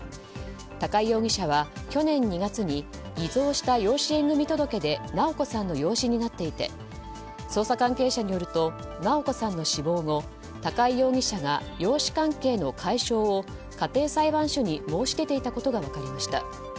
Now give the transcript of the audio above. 高井容疑者は去年２月に偽造した養子縁組届で直子さんの養子になっていて捜査関係者によると直子さんの死亡後高井容疑者が養子関係の解消を家庭裁判所に申し出ていたことが分かりました。